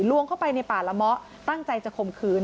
ลวงเข้าไปในป่าละเมาะตั้งใจจะข่มขืน